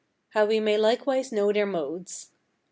How we may likewise know their modes.